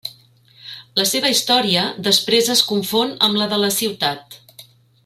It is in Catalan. La seva història després es confon amb la de la ciutat.